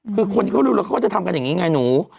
หรือว่าเขาก็จะทำกันอย่างนี้ไงหนู